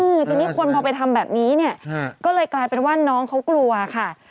ทีนี้คนพอไปทำแบบนี้เนี่ยก็เลยกลายเป็นว่าน้องเขากลัวค่ะ